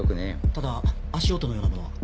ただ足音のようなものは。